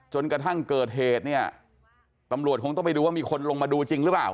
จนกระทั่งเกิดเหตุเนี่ยตำรวจคงต้องไปดูว่ามีคนลงมาดูจริงหรือเปล่า